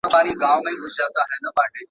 هغه مخکي له مخکي د عرضو اصول زده کړي وو.